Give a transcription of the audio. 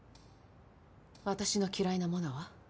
私の嫌いなものは？